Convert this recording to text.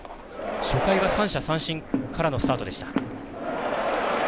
初回は３者三振からのスタートでした。